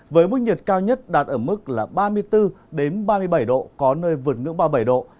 với mức nhiệt cao nhất đạt ở mức là ba mươi bốn ba mươi bảy độ có nơi vượt ngưỡng ba mươi bảy độ